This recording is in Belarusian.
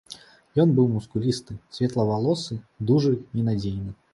Ён быў мускулісты, светлавалосы, дужы і надзейны.